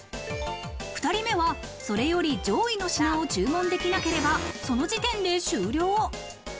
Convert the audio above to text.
２人目は、それより上位の品を注文できなければ、その時点で終了。